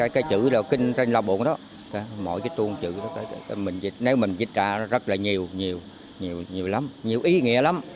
cái chữ kinh trên lá buông đó mỗi cái tuôn chữ đó nếu mình dịch ra rất là nhiều nhiều lắm nhiều ý nghĩa lắm